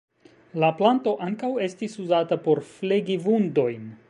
La planto ankaŭ estis uzata por flegi vundojn.